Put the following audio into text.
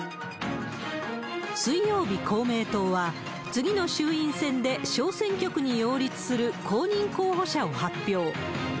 水曜日、公明党は、次の衆院選で小選挙区に擁立する公認候補者を発表。